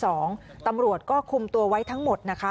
ตำรวจก็คุมตัวไว้ทั้งหมดนะคะ